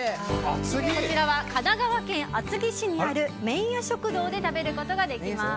こちらは神奈川県厚木市にある麺や食堂で食べることができます。